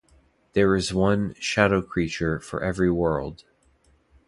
There is one "shadow creature" for every world.